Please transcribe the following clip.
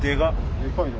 でかいな。